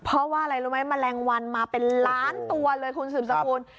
เพราะว่าอะไรรู้ไหมแมลงวันมาเป็นล้านตัวเลยคุณสืบสกุล